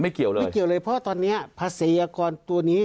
ไม่เกี่ยวเลยเพราะตอนนี้